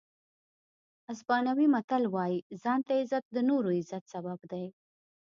اسپانوي متل وایي ځان ته عزت د نورو د عزت سبب دی.